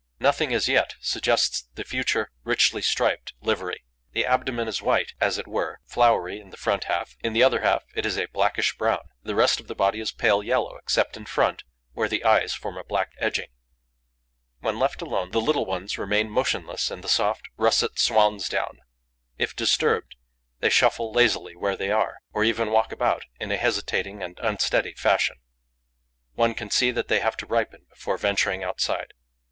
Nothing as yet suggests the future, richly striped livery. The abdomen is white and, as it were, floury in the front half; in the other half it is a blackish brown. The rest of the body is pale yellow, except in front, where the eyes form a black edging. When left alone, the little ones remain motionless in the soft, russet swan's down; if disturbed, they shuffle lazily where they are, or even walk about in a hesitating and unsteady fashion. One can see that they have to ripen before venturing outside.